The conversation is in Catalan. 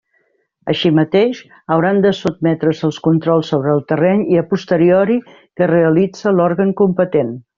Així mateix, hauran de sotmetre's als controls sobre el terreny i a posteriori que realitze l'òrgan competent.